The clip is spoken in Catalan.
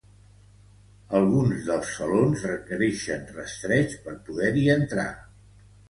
Alguns dels salons requerixen rastreig per poder-hi entrar.